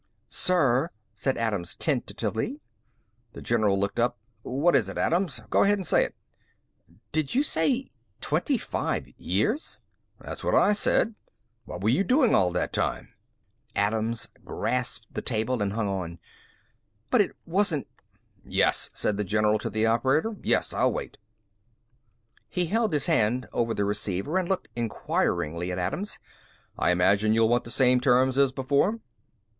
"Sir," said Adams tentatively. The general looked up. "What is it, Adams? Go ahead and say it." "Did you say twenty five years?" "That's what I said. What were you doing all that time?" Adams grasped the table and hung on. "But it wasn't...." "Yes," said the general to the operator. "Yes, I'll wait." He held his hand over the receiver and looked inquiringly at Adams. "I imagine you'll want the same terms as before."